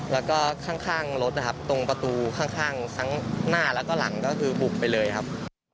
แล้วก็ข้างรถนะครับตรงประตูข้างทั้งหน้าแล้วก็หลังก็คือบุกไปเลยครับ